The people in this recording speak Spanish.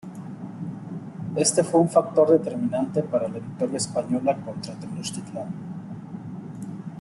Este fue un factor determinante para la victoria española contra Tenochtitlan.